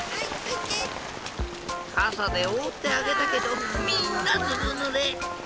かさでおおってあげたけどみんなずぶぬれ。